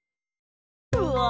うわ！